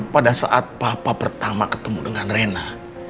pada saat papa pertama ketemu dengan rena